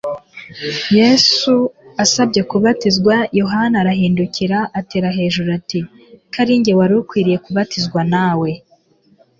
Yesu asabye kubatizwa, Yohana arahindukira atera hejuru ati : "ko ari njye wari ukwiye kubatizwa nawe;